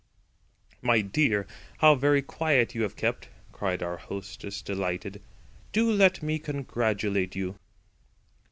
"My dear! how very quiet you have kept!" cried our hostess delighted. "Do let me congratulate you."